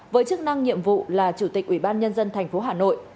với chức năng nhiệm vụ là chủ tịch ủy ban nhân dân tp hà nội